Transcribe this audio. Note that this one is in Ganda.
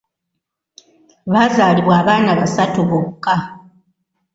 Baazaalibwa abaana basatu bokka.